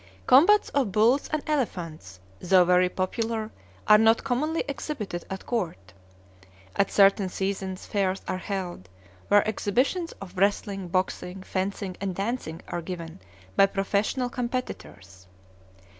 Combats of bulls and elephants, though very popular, are not commonly exhibited at court. At certain seasons fairs are held, where exhibitions of wrestling, boxing, fencing, and dancing are given by professional competitors.